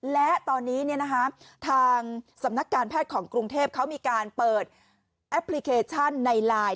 และตอนนี้ทางสำนักการแพทย์ของกรุงเทพเขามีการเปิดแอปพลิเคชันในไลน์